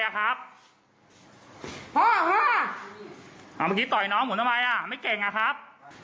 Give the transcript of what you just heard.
เขาทำร้ายผมนะครับ